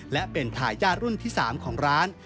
และเป็นทายารุ่นที่๓ของร้าน